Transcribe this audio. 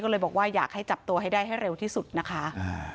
ก็เลยบอกว่าอยากให้จับตัวให้ได้ให้เร็วที่สุดนะคะอ่า